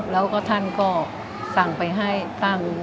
แล้วก็ท่านก็สั่งไปให้ตั้ง